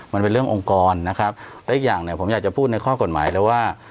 มันเป็นเรื่ององค์กรนะครับและอีกอย่างเนี่ยผมอยากจะพูดในข้อกฎหมายแล้วว่า